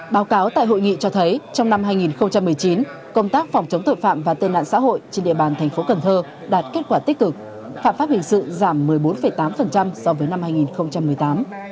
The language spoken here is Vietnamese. báo cáo tại hội nghị cho thấy trong năm hai nghìn một mươi chín công tác phòng chống tội phạm và tên nạn xã hội trên địa bàn thành phố cần thơ đạt kết quả tích cực phạm pháp hình sự giảm một mươi bốn tám so với năm hai nghìn một mươi tám